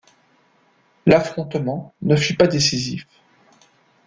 L'affrontement ne fut pas décisif.